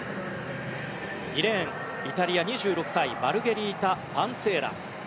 ２レーン、イタリア、２６歳マルゲリータ・パンツィエラ。